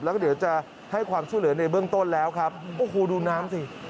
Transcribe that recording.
แล้วก็เดี๋ยวจะให้ความช่วยเหลือในเบื้องต้นแล้วครับโอ้โหดูน้ำสิ